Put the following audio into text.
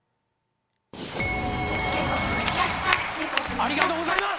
ありがとうございます！